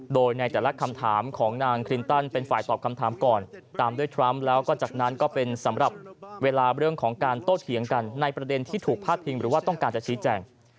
โดยในแต่ละคำถามของนางคลินตันเป็นฝ่ายตอบคำถามก่อนตามด้วยทรัมป์แล้วก็จากนั้นก็เป็นสำหรับเวลาเรื่องของการโต้เถียงกันในประเด็นที่ถูกพาดพิงหรือว่าต้องการจะชี้แจง